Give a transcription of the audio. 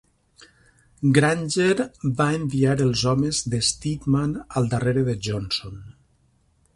Granger va enviar els homes de Steedman al darrere de Johnson.